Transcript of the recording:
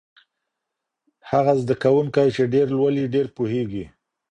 هغه زده کوونکی چې ډېر لولي ډېر پوهېږي.